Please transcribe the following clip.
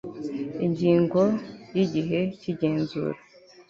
Ingingo ya Igihe cy igenzura